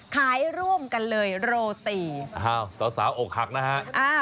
ขายร่วมกันเลยโรตีอ้าวสาวอกหักนะฮะ